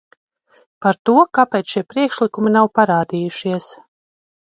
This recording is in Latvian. Par to, kāpēc šie priekšlikumi nav parādījušies.